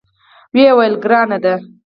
ویې ویل: ګرانه ده.